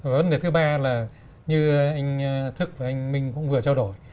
vấn đề thứ ba là như anh thức và anh minh cũng vừa trao đổi